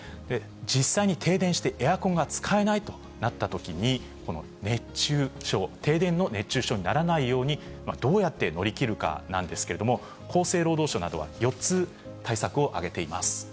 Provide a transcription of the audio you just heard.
実際に停電してエアコンが使えないとなったときに、この熱中症、停電の熱中症にならないようにどうやって乗り切るかなんですけれども、厚生労働省などは４つ対策を挙げています。